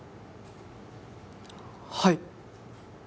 はい！